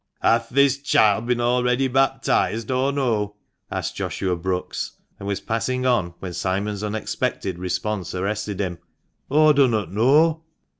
" Hath this child been already baptized or no ?" asked Joshua Brookes, and was passing on, when Simon's unexpected response arrested him. " Aw dunnot know."